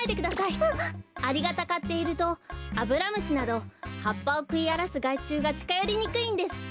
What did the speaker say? アリがたかっているとアブラムシなどはっぱをくいあらすがいちゅうがちかよりにくいんです。